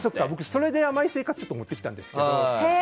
それで「甘い生活」を持ってきたんですけど。